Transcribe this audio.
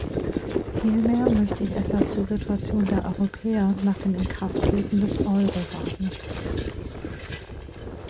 Vielmehr möchte ich etwas zur Situation der Europäer nach dem Inkrafttreten des Euro sagen.